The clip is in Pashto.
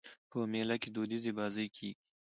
په مېله کښي دودیزي بازۍ کېږي.